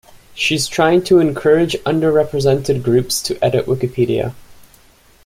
She's trying to encourage underrepresented groups to edit Wikipedia